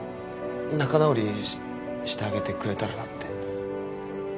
仲直りしてあげてくれたらなって。